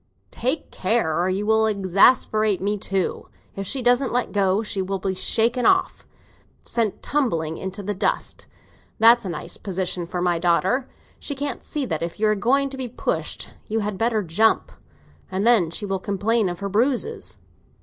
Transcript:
"Take care, or you will exasperate me too. If she doesn't let go, she will be shaken off—sent tumbling into the dust! That's a nice position for my daughter. She can't see that if you are going to be pushed you had better jump. And then she will complain of her bruises."